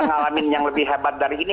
baru juga ngalamin yang lebih hebat dari ini